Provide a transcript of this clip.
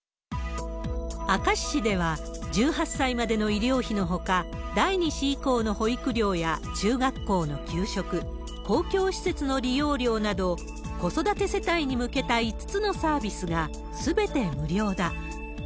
明石市では、１８歳までの医療費のほか、第２子以降の保育料や中学校の給食、公共施設の利用料など、子育て世帯に向けた５つのサービスがすべて無料だ。